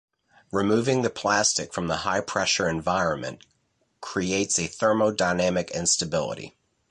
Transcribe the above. Removing the plastic from the high pressure environment creates a thermodynamic instability.